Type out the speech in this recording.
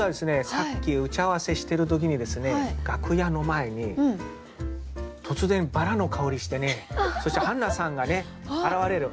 さっき打ち合わせしてる時にですね楽屋の前に突然バラの香りしてねそしてハンナさんがね現れる。